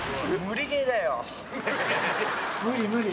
無理ゲーだよ。